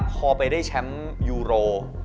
พอไปได้แชมป์ยูโร